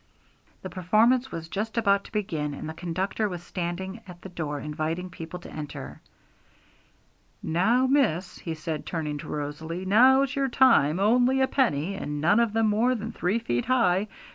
The performance was just about to begin, and the conductor was standing at the door inviting people to enter. 'Now, miss,' he said, turning to Rosalie, 'now's your time; only a penny, and none of them more than three feet high!